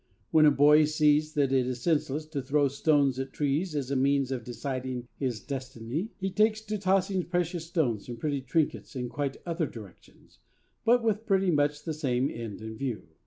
When a boy sees that it is senseless to throw stones at trees as a means of deciding his destiny, he takes to tossing precious stones and pretty trinkets in quite other directions, but with pretty much the same end in view.